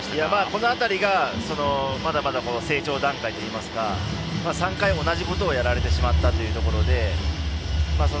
この辺りがまだまだ成長段階といいますか３回も同じことをやられてしまいましたね。